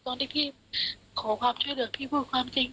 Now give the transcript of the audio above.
ตอนที่พี่ขอความเชื่อเดือดพี่พูดความจริง